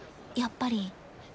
やっぱり。